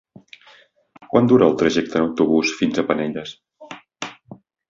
Quant dura el trajecte en autobús fins a Penelles?